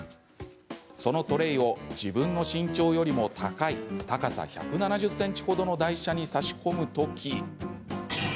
そのトレーを自分の身長よりも高い高さ１７０ｃｍほどの台車にさし込むとき。